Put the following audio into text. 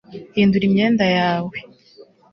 hindura imyenda yawe